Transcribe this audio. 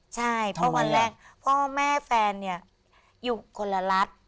ใช่เพราะวันแรกพ่อแม่แฟนเนี่ยอยู่คนละรัฐ